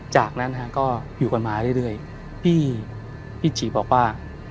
จากนั้นก็อยู่กันมาเรื่อยพี่จีบอกว่า